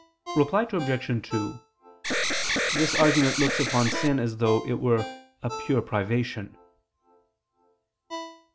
Reply Obj. 2: This argument looks upon sin as though it were a pure privation.